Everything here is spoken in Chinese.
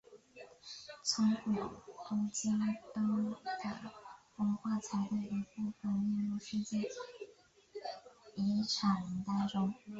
以古都京都的文化财的一部份列入世界遗产名单中。